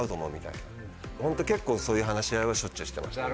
ホント結構そういう話し合いはしょっちゅうしてました。